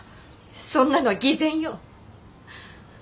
そんなのは偽善よ。